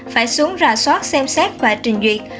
phải xuống rà soát xem xét và trình duyệt